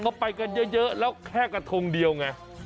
ก็ไปกันเยอะแล้วแค่กระทงเดียวไง